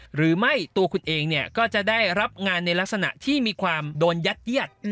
หรือไม่ตัวคุณเองเนี่ยก็จะได้รับงานในลักษณะที่มีความโดนยัดเยียด